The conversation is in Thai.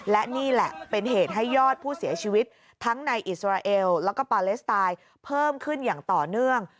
และนี่แหละเป็นเหตุให้ยอดผู้เสียชีวิตทั้งในอิสราเอลแล้วก็ปาเลสไตน์เพิ่มขึ้นอย่างต่อเนื่อง